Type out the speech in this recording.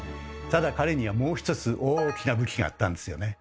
ただ彼にはもう一つ大きな武器があったんですよね。